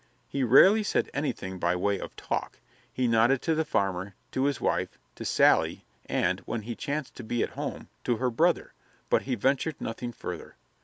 He rarely said anything by way of talk; he nodded to the farmer, to his wife, to Sally and, when he chanced to be at home, to her brother, but he ventured nothing further.